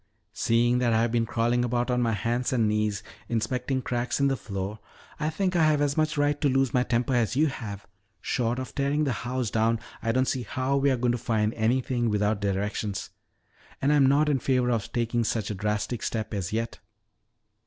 "Seeing that I have been crawling about on my hands and knees inspecting cracks in the floor, I think I have as much right to lose my temper as you have. Short of tearing the house down, I don't see how we are going to find anything without directions. And I am not in favor of taking such a drastic step as yet."